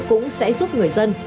cũng sẽ giúp người dân